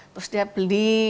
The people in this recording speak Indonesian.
terus dia beli